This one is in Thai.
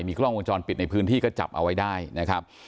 กล้องวงจรปิดในพื้นที่ก็จับเอาไว้ได้นะครับ